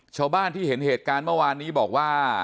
ชาวบ้านที่เห็นเหตุการณ์เมื่อวานนี้บอกว่า